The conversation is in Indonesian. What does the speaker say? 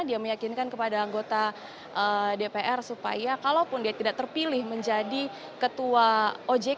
dia meyakinkan kepada anggota dpr supaya kalaupun dia tidak terpilih menjadi ketua ojk